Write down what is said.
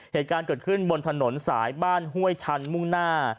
เหตุการณ์เกิดขึ้นบนถนนสายบ้านห้วยชันมุ่งหน้า